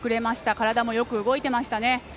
体もよく動いてましたね。